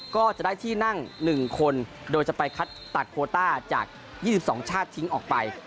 ก็จะได้ที่นั่ง๑คนโดยจะไปคัดตัดโคต้าจาก๒๒ชาติทิ้งออกไป